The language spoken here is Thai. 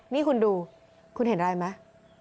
นี่คุณดูคุณเห็นอะไรไหม